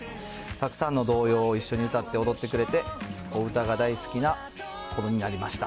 たくさんの童謡を一緒に歌って踊ってくれて、お歌が大好きな子どもになりました。